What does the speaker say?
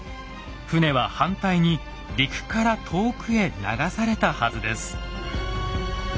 船は反対に陸から遠くへ流されたはずです。